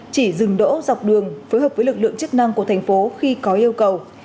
chỉ dừng đỗ dọc đường phối hợp với lực lượng chức năng của thành phố khi có yêu cầu